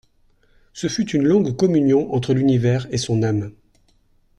Ce fut une longue communion entre l'univers et son âme.